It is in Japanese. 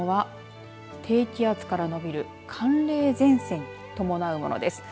この雲は低気圧からのびる寒冷前線を伴うものです。